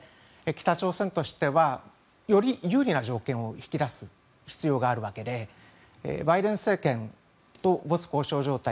北朝鮮としてはより有利な条件を引き出す必要があるわけでバイデン政権と没交渉状態